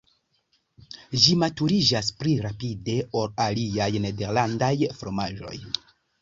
Ĝi maturiĝas pli rapide ol aliaj nederlandaj fromaĝoj.